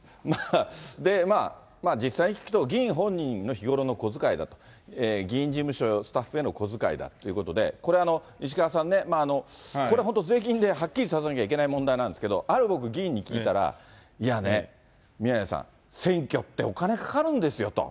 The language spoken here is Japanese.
実際に聞くと、議員本人の日頃の小遣いだと、議員事務所スタッフへの小遣いだっていうことで、これ、石川さんね、これ本当、税金で、はっきりさせなきゃいけない問題なんですけど、ある、僕、議員に聞いたら、いやね、宮根さん、選挙ってお金かかるんですよと。